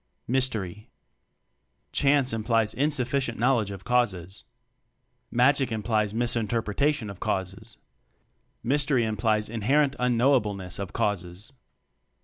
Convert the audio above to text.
Mystery. "Chance" implies insufficient knowl edge of causes. "Magic" implies misinterpretation of causes. "Mystery" implies inherent un knowableness of causes.